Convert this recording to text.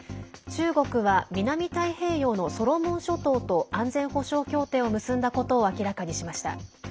中国は南太平洋のソロモン諸島と安全保障協定を結んだことを明らかにしました。